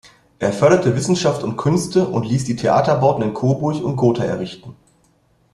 Er förderte Wissenschaft und Künste und ließ die Theaterbauten in Coburg und Gotha errichten.